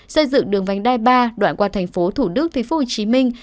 xây dựng đường vành đai ba đoạn qua thành phố thủ đức thủy phú hồ chí minh